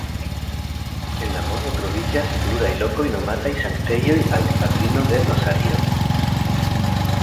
En la mondo troviĝas pluraj lokoj nomataj sanktejoj al Dipatrino de Rozario.